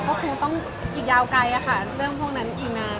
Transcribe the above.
ก็คงต้องอีกยาวไกลค่ะเรื่องพวกนั้นอีกนาน